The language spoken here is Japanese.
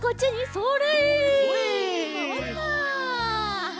それ。